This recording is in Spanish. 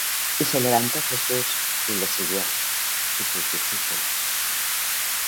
Y se levantó Jesús, y le siguió, y sus discípulos.